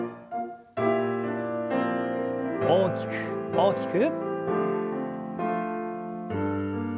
大きく大きく。